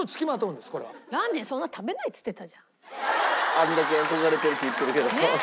あれだけ「憧れてる」って言ってるけど。